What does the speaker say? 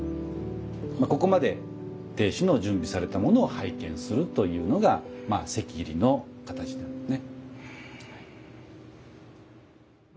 ここまで亭主の準備されたものを拝見するというのが席入りの形なんですね。